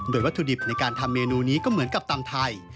โดยวัตถุดิบในการทำเมนูนี้ก็เหมือนกับตำไทย